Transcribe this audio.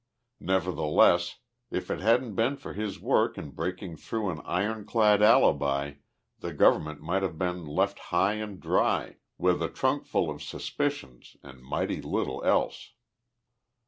Nevertheless, if it hadn't been for his work in breaking through an ironclad alibi the government might have been left high and dry, with a trunkful of suspicions and mighty little else.